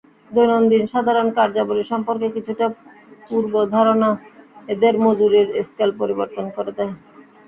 দৈনন্দিন সাধারণ কার্যাবলি সম্পর্কে কিছুটা পূর্বধারণা এদের মজুরির স্কেল পরিবর্তন করে দেয়।